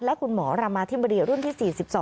และคุณหมอรามาธิบดีรุ่นที่๔๒